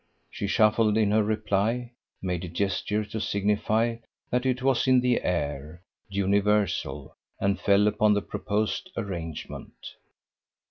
She shuffled in her reply, made a gesture to signify that it was in the air, universal, and fell upon the proposed arrangement.